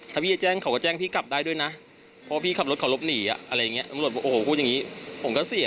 ถ้าพี่จะแจ้งเขาก็แจ้งพี่กลับได้ด้วยนะเพราะว่าพี่ขับรถเขารถหนีอ่ะอะไรอย่างเงี้ย